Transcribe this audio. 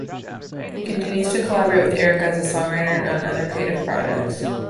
He continues to collaborate with Erica as a songwriter and on other creative projects.